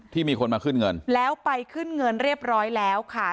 มีคนมาขึ้นเงินแล้วไปขึ้นเงินเรียบร้อยแล้วค่ะ